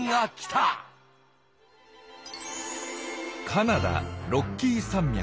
カナダロッキー山脈。